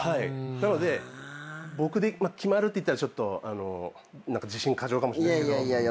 なので僕で決まるって言ったらちょっと自信過剰かもしんないっすけど。